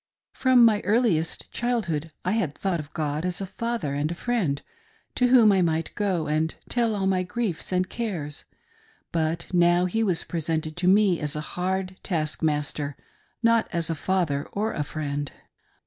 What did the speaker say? From my earliest chiidhdo'd I had thought of God as a father and a friend, to whom I might go and tell all my griefs and cares ; but now He was presented to me as a hard taskmaster, not as a father or a friend.